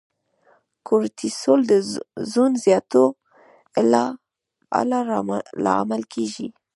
کورټیسول د وزن زیاتوالي لامل کېږي.